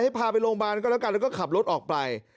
พาไปโรงพยาบาลก็แล้วกันแล้วก็ขับรถออกไป